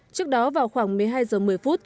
trước đó vào khoảng một mươi hai giờ một mươi phút